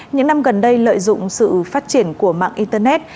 những năm gần đây lợi dụng sự phát triển của mạng internet